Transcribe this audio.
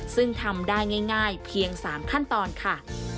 ซึ่งทำได้ง่ายเพียง๓ขั้นตอนค่ะ